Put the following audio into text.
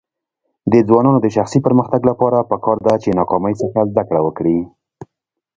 د ځوانانو د شخصي پرمختګ لپاره پکار ده چې ناکامۍ څخه زده کړه وکړي.